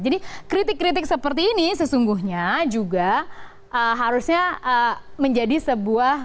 jadi kritik kritik seperti ini sesungguhnya juga harusnya menjadi sebuah